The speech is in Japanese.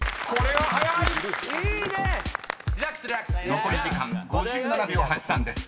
［残り時間５７秒８３です。